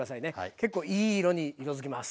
結構いい色に色づきます。